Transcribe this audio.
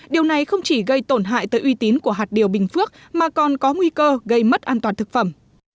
điều này không chỉ gây tổn hại tới uy tín của hạt điều bình phước mà còn có nguy cơ gây mất an toàn thực phẩm